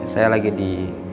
saya lagi di